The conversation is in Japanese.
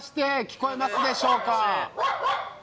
聞こえますでしょうか。